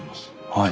はい。